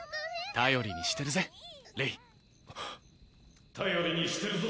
頼りにしてるぞレイ